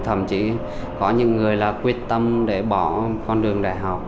thậm chí có những người là quyết tâm để bỏ con đường đại học